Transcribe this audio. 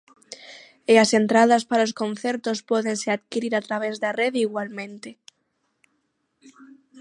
E as entradas para os concertos pódense adquirir a través da rede igualmente.